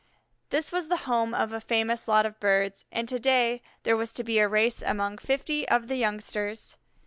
This was the home of a famous lot of birds, and to day there was to be a race among fifty of the youngsters.